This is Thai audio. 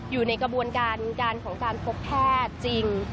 อยู่ในกระบวนการการของการพบแพทย์จริง